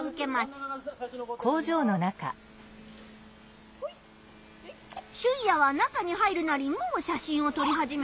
シュンヤは中に入るなりもう写真を撮り始めています。